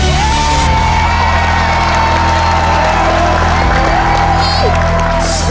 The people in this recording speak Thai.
ถูกครับ